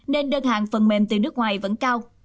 nên đơn hàng phần mềm từ nước ngoài vẫn cao